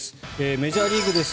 メジャーリーグです。